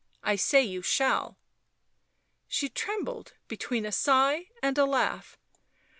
I say you shall." She trembled between a sigh and a laugh.